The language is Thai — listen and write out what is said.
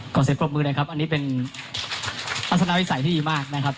ขอเสียบพรบมือเลยครับอันนี้เป็นลักษณะไว้ใสที่ดีมากนะครับ